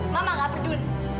mama gak peduli